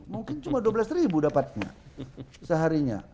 mungkin cuma dua belas ribu dapatnya seharinya